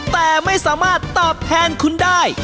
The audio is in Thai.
แต่ไม่สามารถตอบแทนคุณได้